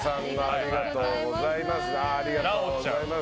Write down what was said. ありがとうございます。